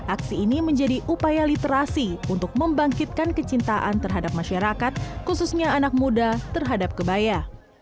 aksi ini menjadi upaya literasi untuk membangkitkan kecintaan terhadap masyarakat khususnya anak muda terhadap kebaya